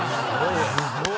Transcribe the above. すごい。